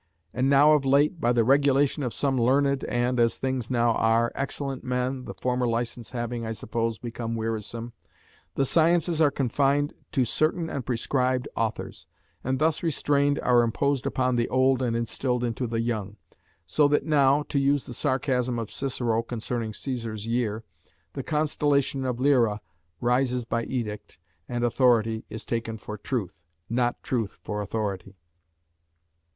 And now of late, by the regulation of some learned and (as things now are) excellent men (the former license having, I suppose, become wearisome), the sciences are confined to certain and prescribed authors, and thus restrained are imposed upon the old and instilled into the young; so that now (to use the sarcasm of Cicero concerning Cæsar's year) the constellation of Lyra rises by edict, and authority is taken for truth, not truth for authority.